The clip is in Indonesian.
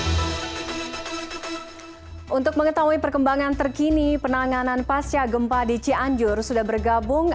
hai untuk mengetahui perkembangan terkini penanganan pasca gempa di cianjur sudah bergabung